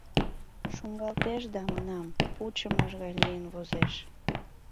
Шуҥгалтеш да, манам, пучымыш гай лийын возеш.